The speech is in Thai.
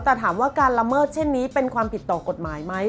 แต่ถามว่าการละเมิดเช่นนี้เป็นความผิดต่อกฎหมายไหม